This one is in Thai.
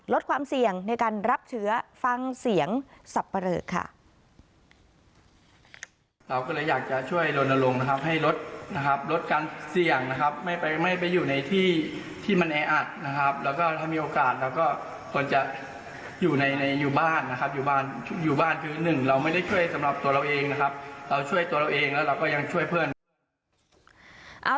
ลดความเสี่ยงในการรับเชื้อฟังเสียงสับปะเรอค่ะ